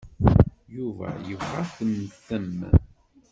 Yuba yebɣa ad temmtem.